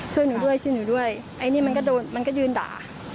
ช่วยหนูด้วยช่วยหนูด้วยไอ้นี่มันก็โดนมันก็ยืนด่า